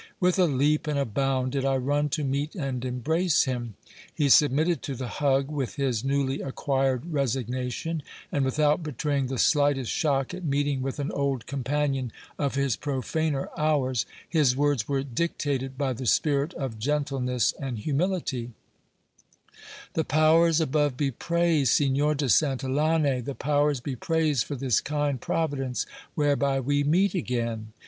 With a leap and a bound did I run to meet and embrace him. He submitted to the hug with his newly acquired resignation ; and, without betray ing the slightest shock at meeting with an old companion of his profaner hours, his words were dictated by the spirit of gentleness and humility : The powers above be praised, Signor de Santillane, the powers be praised for this kind providence whereby we meet again.